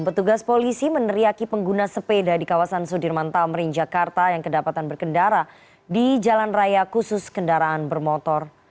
petugas polisi meneriaki pengguna sepeda di kawasan sudirman tamrin jakarta yang kedapatan berkendara di jalan raya khusus kendaraan bermotor